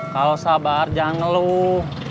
kalau sabar jangan ngeluh